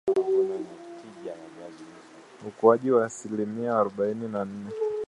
Ukuaji wa asilimia arobaini na nne